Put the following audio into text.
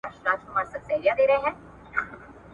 هسي نه چي یوه ورځ به له خپل سیوري سره ورک سې ,